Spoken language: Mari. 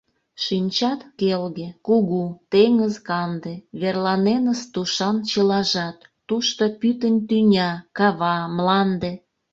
Шинчат — келге, кугу, теҥыз канде, Верланеныс тушан чылажат: Тушто пӱтынь тӱня, кава, мланде…